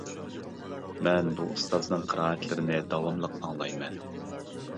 مەن بۇ ئۇستازنىڭ قىرائەتلىرىنى داۋاملىق ئاڭلايمەن.